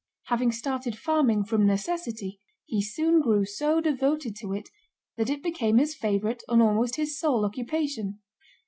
Having started farming from necessity, he soon grew so devoted to it that it became his favorite and almost his sole occupation.